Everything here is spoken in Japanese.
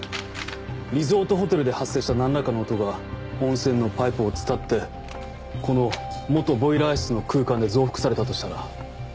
リゾートホテルで発生した何らかの音が温泉のパイプを伝ってこの元ボイラー室の空間で増幅されたとしたら。